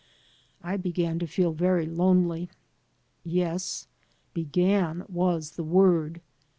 I began to feel very lonely. Yes, began was the word.